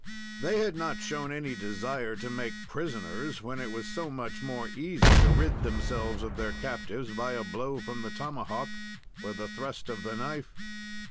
They had not shown any desire to make prisoners, when it was so much more easy to rid themselves of their captives by a blow from the tomahawk or the thrust of the knife.